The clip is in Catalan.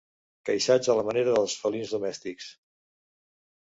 Queixats a la manera dels felins domèstics.